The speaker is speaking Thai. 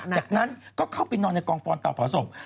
จากนั้นก็เข้าไปนอนในกองฟอนเตาเผาศพ